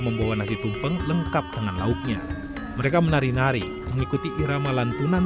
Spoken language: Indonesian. membawa nasi tumpeng lengkap dengan lauknya mereka menari nari mengikuti irama lantunan